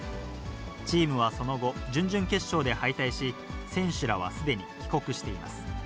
チームはその後、準々決勝で敗退し、選手らはすでに帰国しています。